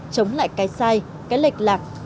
chống lại cái sai cái lệch lạc